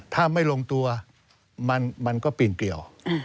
ถ้าไม่ลงตัวมันก็เปลี่ยนเปลี่ยว